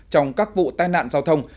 trong các vụ tai nạn giao thông